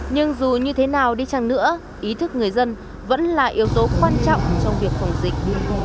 nhưng dù như thế nào đi chăng nữa ý thức người dân vẫn là yếu tố quan trọng trong việc phòng dịch covid một